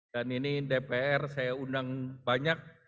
dan ini dpr saya undang banyak